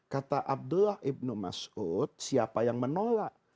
kata abdullah ibnu mas'ud siapa yang menolak